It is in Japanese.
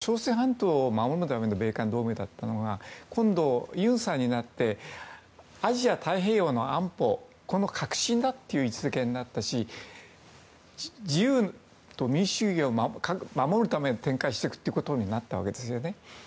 アメリカ側が満足したのは今まで米韓同盟は朝鮮半島を守るための米韓同盟だったものが今度、尹さんになってアジア太平洋の安保この革新だという位置づけになったし自由と民主主義を守るために展開していくということになったわけですよね。